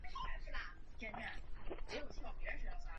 成为当时河南省仅有的四所中学堂之一。